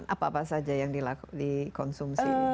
apa apa saja yang dikonsumsi